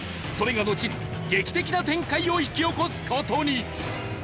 それがのちに劇的な展開を引き起こす事に。